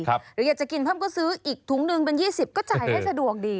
หรืออยากจะกินเพิ่มก็ซื้ออีกถุงหนึ่งเป็น๒๐ก็จ่ายได้สะดวกดี